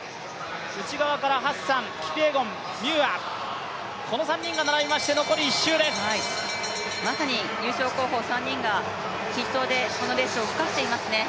内側からハッサン、キピエゴン、ミューアこの３人が並びまして、残り１周ですまさに優勝候補３人が筆頭でこのレースを動かしていますね。